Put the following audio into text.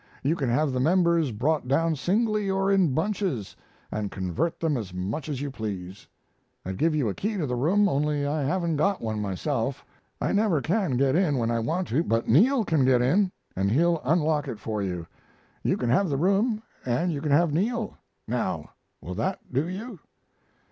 You can have the members brought down singly or in bunches, and convert them as much as you please. I'd give you a key to the room, only I haven't got one myself. I never can get in when I want to, but Neal can get in, and he'll unlock it for you. You can have the room, and you can have Neal. Now, will that do you?"